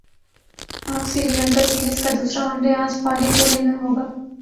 پاک سری لنکا سیریز کا دوسرا ون ڈے اج پالی کیلے میں ہوگا